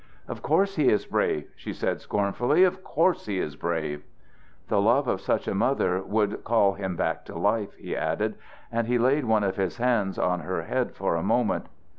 "Of course he is brave," she said scornfully. "Of course he is brave." "The love of such a mother would call him back to life," he added, and he laid one of his hands on her head for a moment.